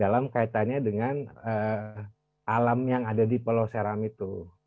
dalam kaitannya dengan alam yang ada di pulau seram itu